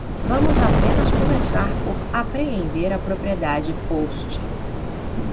Vamos apenas começar por apreender a propriedade Post.